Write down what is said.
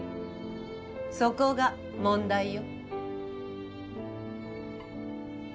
そこが問題よ。